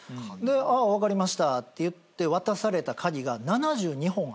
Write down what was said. あっ分かりましたって言って渡された鍵が７２本あったんです。